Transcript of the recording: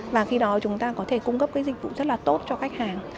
và khi đó chúng ta có thể cung cấp cái dịch vụ rất là tốt cho khách hàng